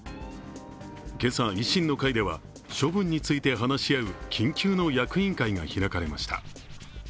今朝、維新の会では処分について話し合う緊急の役員会が開かれました。